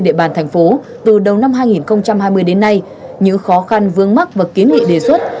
địa bàn thành phố từ đầu năm hai nghìn hai mươi đến nay những khó khăn vương mắc và kiến nghị đề xuất